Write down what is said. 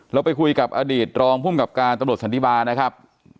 เราไปคุยกับอดีตรองภูมิกับการตำรวจสันติบาลนะครับ